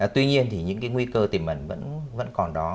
tuy nhiên những nguy cơ tìm mẩn vẫn còn đó